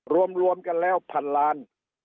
รวมกันแล้วพันล้าน